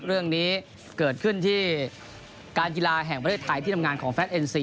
เรื่องนี้เกิดขึ้นที่การกีฬาแห่งประเทศไทยที่ทำงานของแฟทเอ็นซี